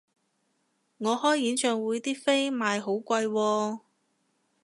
我開演唱會啲飛賣好貴喎